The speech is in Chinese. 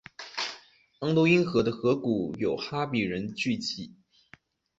安都因河的河谷有哈比人聚居。